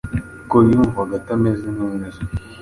kuko yumvaga atameze neza.